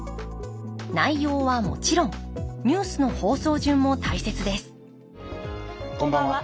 内容はもちろんニュースの放送順も大切ですこんばんは。